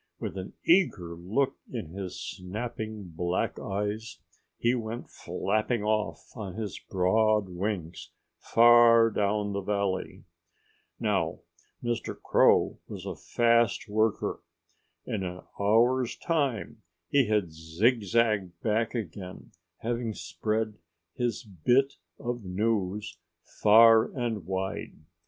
With an eager look in his snapping black eyes he went flapping off on his broad wings, far down the valley. Now, Mr. Crow was a fast worker. In an hour's time he had zigzagged back again, having spread his bit of news far and wide.